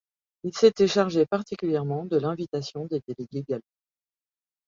Il s'était chargé particulièrement de l'invitation des délégués gallois.